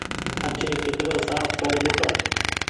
اٺي ڪچرو ساڦ ڪر ٻوکر۔